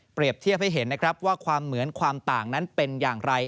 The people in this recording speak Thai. เปรียบเทียบให้เห็นว่าความเหมือนความต่างนั้นเป็นอย่างไร